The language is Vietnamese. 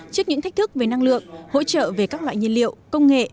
trước những thách thức về năng lượng hỗ trợ về các loại nhiên liệu công nghệ